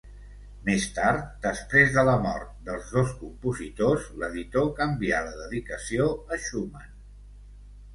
Més tard, després de la mort dels dos compositors, l'editor canvià la dedicació a Schumann.